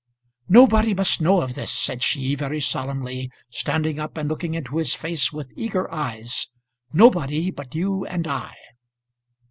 "Nobody must know of this," said she very solemnly, standing up and looking into his face with eager eyes. "Nobody but you and I."